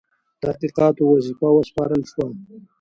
تحقیقاتو وظیفه وسپارله شوه.